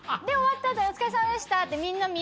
お疲れさまでしたって。